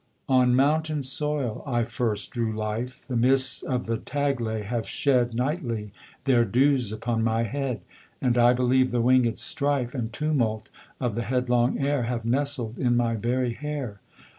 On mountain soil I first drew life: The mists of the Taglay have shed Nightly their dews upon my head, And, I believe, the wingèd strife And tumult of the headlong air Have nestled in my very hair.